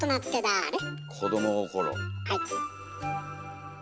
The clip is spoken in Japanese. はい。